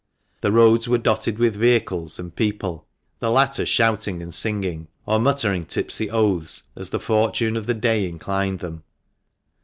The roads were dotted with vehicles and people, the latter shouting and singing, or muttering tipsy oaths, as the fortune of the day inclined them.